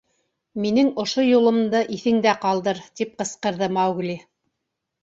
— Минең ошо юлымды иҫеңдә ҡалдыр, — тип ҡысҡырҙы Маугли.